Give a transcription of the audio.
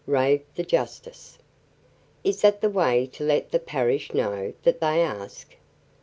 '" raved the justice. "Is that the way to let the parish know that they ask?